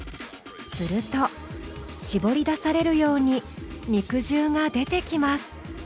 すると絞り出されるように肉汁が出てきます。